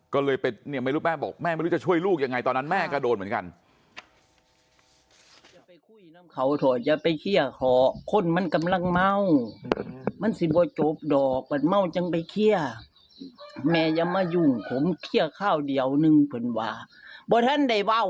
ก็เลยไปแม่บอกแม่ไม่รู้จะช่วยลูกอย่างไรตอนนั้นแม่ก็โดนเหมือนกัน